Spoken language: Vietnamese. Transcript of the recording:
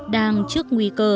đang trước nguy cơ